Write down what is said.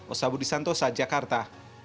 osabudi santosa jakarta